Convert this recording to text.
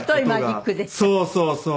そうそうそう。